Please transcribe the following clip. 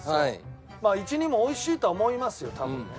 まあ１２も美味しいとは思いますよ多分ね。